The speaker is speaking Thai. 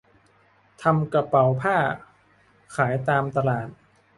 ทำกระเป๋าผ้าขายตามตลาด